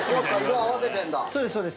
色合わせてんだ。